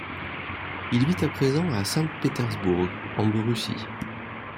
Il vit à présent à Saint-Pétersbourg en Russie.